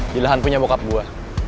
di lahan punya bokap buah